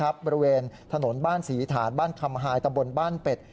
บริเวณถนนบ้านศรีฐานบ้านคำหายตำบลบ้านเป็ด